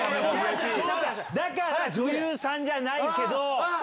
だから、女優さんじゃないけど。